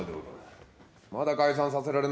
まだ解散させられんのか。